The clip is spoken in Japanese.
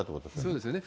そうですよね。